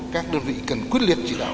các đơn vị cần quyết liệt chỉ đạo